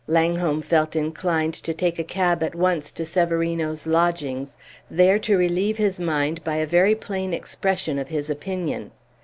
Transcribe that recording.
Langholm felt inclined to take a cab at once to Severino's lodgings, there to relieve his mind by a very plain expression of his opinion.